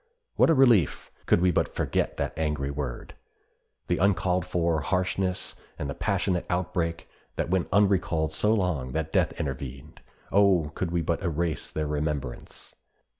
What a relief could we but forget that angry word! The uncalled for harshness and the passionate outbreak that went unrecalled so long that death intervened—O could we but erase their remembrance!